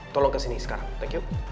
tolong kesini sekarang